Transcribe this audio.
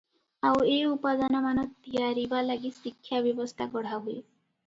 ଆଉ ଏ ଉପାଦାନମାନ ତିଆରିବା ଲାଗି ଶିକ୍ଷା ବ୍ୟବସ୍ଥା ଗଢ଼ାହୁଏ ।